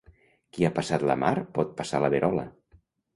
Qui ha passat la mar pot passar la verola.